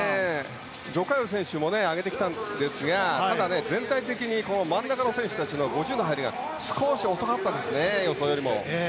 ジョ・カヨ選手も上げてきたんですがただ全体的に真ん中の選手たちの５０の入りが少し遅かったですね。